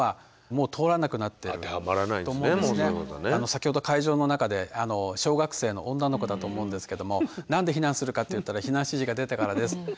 先ほど会場の中で小学生の女の子だと思うんですけども何で避難するかっていったら避難指示が出たからです。